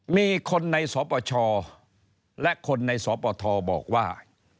มีคนในสปชและคนในสปทบอกว่า